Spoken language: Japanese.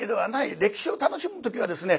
歴史を楽しむ時はですね